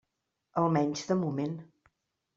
Almenys de moment.